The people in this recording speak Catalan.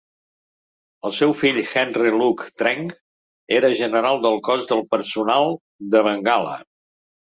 El seu fill Henry Luke Trench era general del cos del personal de Bengala.